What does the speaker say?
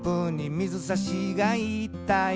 「水さしが言ったよ」